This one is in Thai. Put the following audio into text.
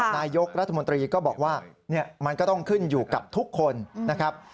นายกรัฐมนตรีก็บอกว่ามันก็ต้องขึ้นอยู่กับทุกคนนะครับ